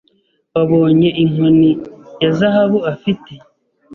Wabonye inkoni ya zahabu afite